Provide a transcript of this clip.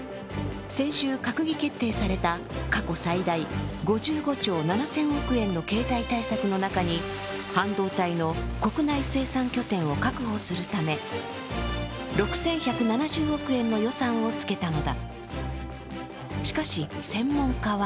先週、閣議決定された過去最大、５５兆７０００億円の経済対策の中に半導体の国内生産拠点を確保するため６１７０億円の予算をつけたのだ。